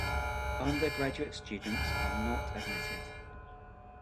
Undergraduate students are not admitted.